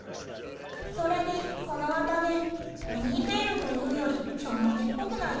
それにこの綿毛ポニーテールというよりちょんまげっぽくないですか？